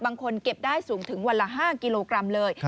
เก็บได้สูงถึงวันละ๕กิโลกรัมเลย